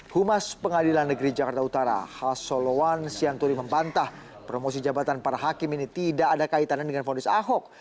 humas pengadilan negeri jakarta utara has solowan sianturi membantah promosi jabatan para hakim ini tidak ada kaitannya dengan fonis ahok